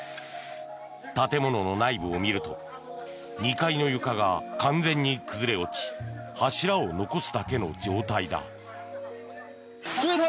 建物の内部を見ると２階の床が完全に崩れ落ち柱を残すだけの状態だ。